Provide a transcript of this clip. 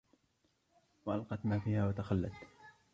وَأَلْقَتْ مَا فِيهَا وَتَخَلَّتْ